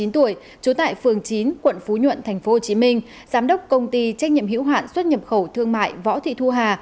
ba mươi tuổi trú tại phường chín quận phú nhuận tp hcm giám đốc công ty trách nhiệm hữu hạn xuất nhập khẩu thương mại võ thị thu hà